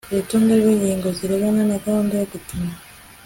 urutonde rw'ingingo zirebana na gahunda yo gupima